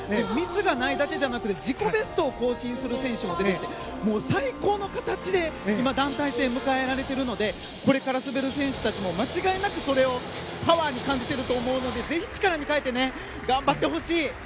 ミスがないだけじゃなく自己ベストを更新する選手も出てきて最高の形で今、団体戦を迎えられているのでこれから滑る選手たちも間違いなくそれをパワーに感じていると思うのでぜひ、力に変えて頑張ってほしい。